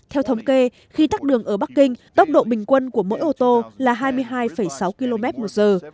theo thống kê khi tắt đường ở bắc kinh tốc độ bình quân của mỗi ô tô là hai mươi hai sáu km một giờ